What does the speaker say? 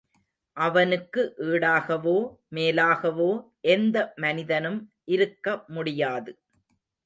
அவனுக்கு ஈடாகவோ, மேலாகவோ எந்த மனிதனும் இருக்க முடியாது.